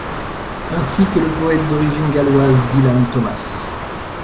Ainsi que le poète d'origine galloise Dylan Thomas.